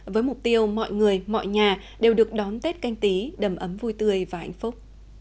với mục tiêu mọi người mọi nhà đều được đón tết canh tí đầm ấm vui tươi và hạnh phúc